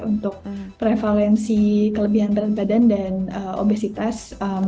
untuk prevalensi kelebihan berat badan dan obesitas